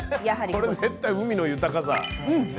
これ絶対「海の豊かさ」ね。